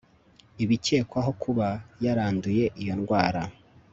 ibikekwaho kuba yaranduye iyo ndwara